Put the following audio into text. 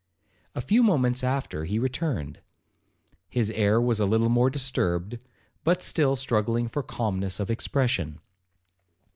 A few moments after he returned. His air was a little more disturbed, but still struggling for a calmness of expression.